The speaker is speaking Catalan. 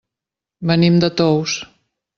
Venim de Tous.